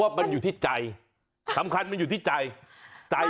ก็คือเธอนี่มีความเชี่ยวชาญชำนาญ